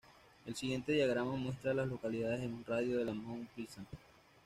El siguiente diagrama muestra a las localidades en un radio de de Mount Pleasant.